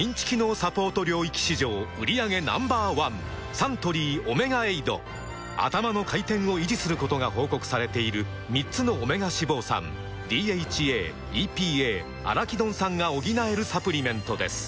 サントリー「オメガエイド」「アタマの回転」を維持することが報告されている３つのオメガ脂肪酸ＤＨＡ・ＥＰＡ・アラキドン酸が補えるサプリメントです